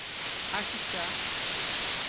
Axixá